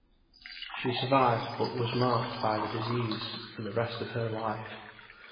She survived but was marked by the disease for the rest of her life.